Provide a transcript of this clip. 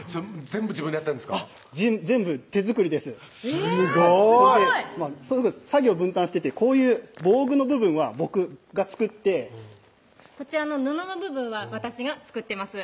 全部手作りですすごい！作業分担しててこういう防具の部分は僕が作ってこちらの布の部分は私が作ってます